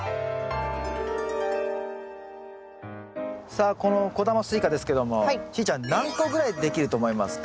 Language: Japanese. さあこの小玉スイカですけどもしーちゃん何個ぐらいできると思いますか？